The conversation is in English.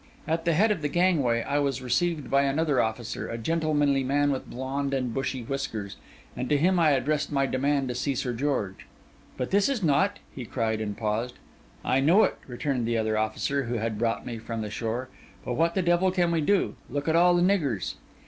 At the head of the gangway, I was received by another officer, a gentlemanly man with blond and bushy whiskers; and to him I addressed my demand to see Sir George. 'But this is not—' he cried, and paused. 'I know it,' returned the other officer, who had brought me from the shore. 'But what the devil can we do? Look at all the niggers!